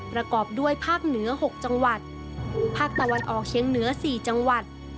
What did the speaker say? ประกอบด้วยภาคเหนือ๖จังหวัด